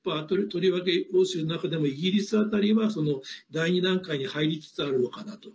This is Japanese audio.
とりわけ欧州の中でもイギリス辺りは第２段階に入りつつあるのかなと。